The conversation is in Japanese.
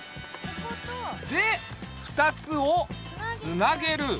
で２つをつなげる。